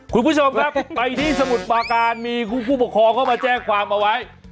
คุณผู้ชมครับไปที่สมุทรปาการมีผู้ปกครองเข้ามาแจ้งความเอาไว้